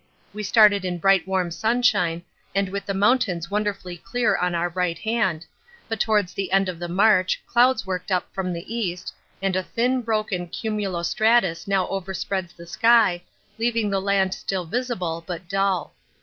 We started in bright warm sunshine and with the mountains wonderfully clear on our right hand, but towards the end of the march clouds worked up from the east and a thin broken cumulo stratus now overspreads the sky, leaving the land still visible but dull.